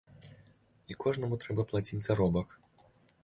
І кожнаму трэба плаціць заробак.